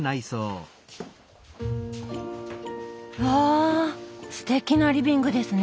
わぁすてきなリビングですね。